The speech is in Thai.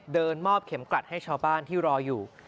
เดินมอบเข็มกลัดให้ชาวบ้านที่รออยู่